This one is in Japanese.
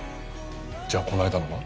じゃあこの間のは？